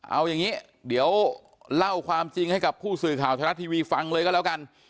เอาอย่างนี้เดี๋ยวเล่าความจริงให้กับผู้สื่อข่าวไทยรัฐทีวีฟังเลยก็แล้วกัน